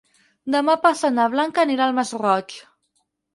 Demà passat na Blanca anirà al Masroig.